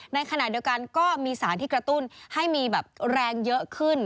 ในขณะเดียวกันก็มีสารที่กระตุ้นให้มีแบบแรงเยอะขึ้น